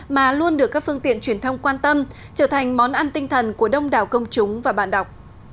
mà luôn được các phương tiện truyền thông quan tâm trở thành món ăn tinh thần của đông đảo công chúng và bạn đọc